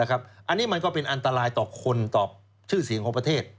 อันนี้มันก็เป็นอันตรายต่อคนต่อชื่อเสียงของประเทศ